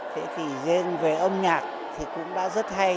thế thì riêng về âm nhạc thì cũng đã rất hay